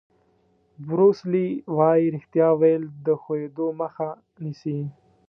بروس لي وایي ریښتیا ویل د ښویېدو مخه نیسي.